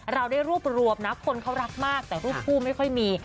เราได้รวบรวมนะคนเขารักมากแต่รูปคู่ไม่ค่อยมี